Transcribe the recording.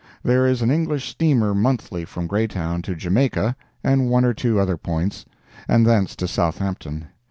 There is an English steamer monthly from Greytown to Jamaica and one or two other points, and thence to Southampton.